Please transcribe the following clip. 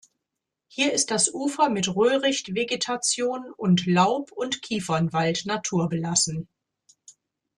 Hier ist das Ufer mit Röhricht-Vegetation und Laub- und Kiefernwald naturbelassen.